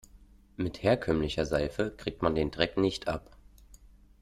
Mit herkömmlicher Seife kriegt man den Dreck nicht ab.